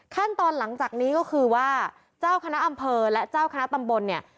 ขั้นตอนหลังจากนี้ก็คือว่าเจ้าคณะอำเภอและเจ้าคณะตำบลเนี่ย